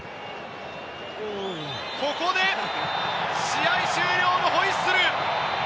試合終了のホイッスル。